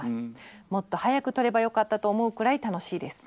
もっと早く取ればよかったと思うくらい楽しいです。